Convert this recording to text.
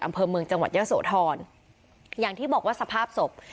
อำเภอเมืองจังหวัดเยอะโสธรอย่างที่บอกว่าสภาพศพ